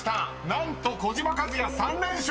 ［何と児嶋一哉３連勝！］